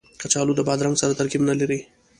کچالو د بادرنګ سره ترکیب نه لري